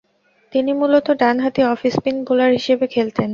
তিনি মূলতঃ ডানহাতি অফ স্পিন বোলার হিসেবে খেলতেন।